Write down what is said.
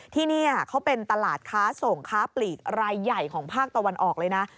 ที่นี่เขาเป็นตลาดค้าส่งค้าปลีกรายใหญ่ของภาคตะวันออกเลยนะ